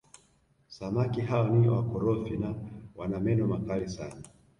Samaki hawa ni wakorofi na wana meno makali sana